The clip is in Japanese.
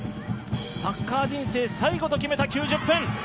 サッカー人生最後と決めた９０分。